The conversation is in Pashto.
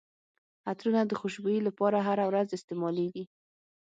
عطرونه د خوشبويي لپاره هره ورځ استعمالیږي.